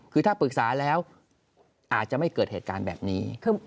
คือถ้าปรึกษาแล้วอาจจะไม่เกิดเหตุการณ์แบบนี้